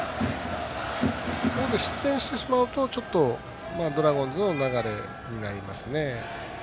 失点してしまうとちょっとドラゴンズの流れになりますね。